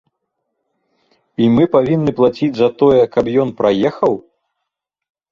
І мы павінны плаціць за тое, каб ён праехаў?